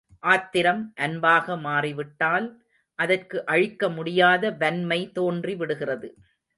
ஆத்திரம் அன்பாக மாறிவிட்டால் அதற்கு அழிக்க முடியாத வன்மை தோன்றிவிடுகிறது.